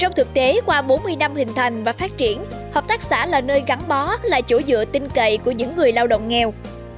trong thực tế qua bốn mươi năm hình thành và phát triển hợp tác xã là nơi gắn bó là chỗ dựa tinh cậy của những người lao động nghèo